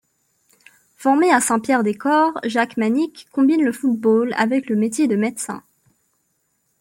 Formé à Saint-Pierre-des-Corps, Jacques Manic combine le football avec le métier de médecin.